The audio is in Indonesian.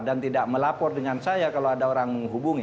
dan tidak melapor dengan saya kalau ada orang menghubungi